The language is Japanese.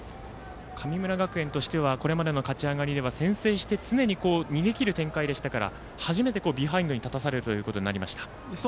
神村学園としてはこれまでの勝ち上がりでは先制して常に逃げきる展開でしたから初めてビハインドに立たされるということになりました。